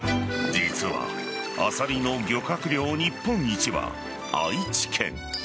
実は、アサリの漁獲量日本一は愛知県。